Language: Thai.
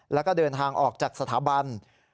แล้วก็เดินทางออกจากสถาบัน